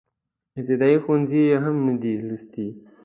ابتدائيه ښوونځی يې هم نه دی لوستی.